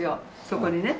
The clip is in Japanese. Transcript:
そこにね。